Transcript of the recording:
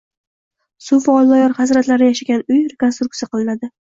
So‘fi Olloyor hazratlari yashagan uy rekonstruksiya qilinadi